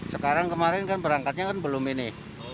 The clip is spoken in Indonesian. sekarang kemarin kan berangkatnya kan belum ini